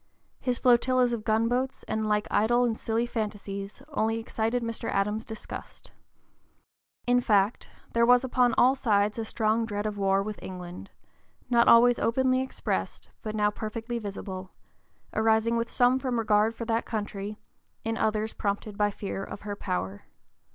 His flotillas of gunboats and like idle and silly fantasies only excited Mr. Adams's disgust. In fact, there was upon all sides a strong dread of a war with England, not always openly expressed, but now perfectly visible, arising with some from regard for that country, in others prompted by fear of her power.